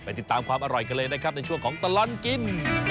ติดตามความอร่อยกันเลยนะครับในช่วงของตลอดกิน